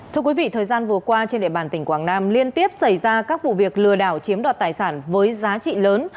thưa quý vị thời gian vừa qua trên địa bàn tỉnh quảng nam liên tiếp xảy ra các vụ việc lừa đảo chiếm đoạt tài sản với giá trị lớn